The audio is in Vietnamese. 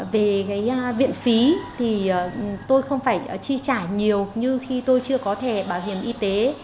về cái viện phí thì tôi không phải chi trả nhiều như khi tôi chưa có thẻ bảo hiểm y tế